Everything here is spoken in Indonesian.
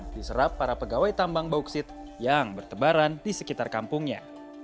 diserap para pegawai tambang bauksit yang bertebaran di sekitar kampungnya